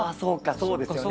そうですよね。